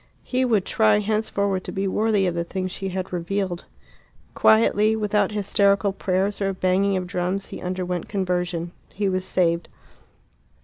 He would try henceforward to be worthy of the things she had revealed. Quietly, without hysterical prayers or banging of drums, he underwent conversion. He was saved.